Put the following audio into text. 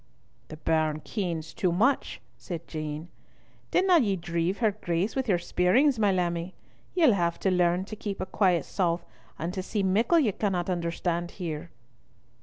"The bairn kens too much," said Jean. "Dinna ye deave her Grace with your speirings, my lammie. Ye'll have to learn to keep a quiet sough, and to see mickle ye canna understand here."